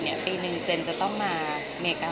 อเรนนี่ว่าพูดข่าวหรือพูดมาอะไร